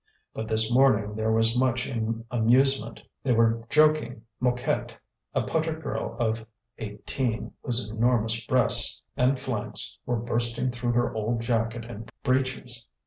But this morning there was much amusement: they were joking Mouquette, a putter girl of eighteen, whose enormous breasts and flanks were bursting through her old jacket and breeches.